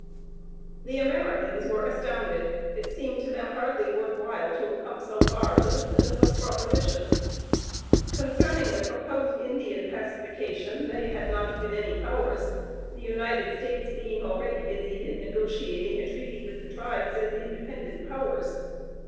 The Americans were astounded; it seemed to them hardly worth while to have come so far to listen to such propositions. Concerning the proposed Indian pacification they had not even any powers, the United States being already busied in negotiating a treaty with the tribes as independent powers.